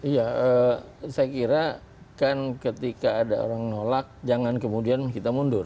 ya saya kira kan ketika ada orang nolak jangan kemudian kita mundur